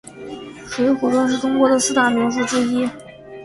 水浒传是中国的四大名著之一。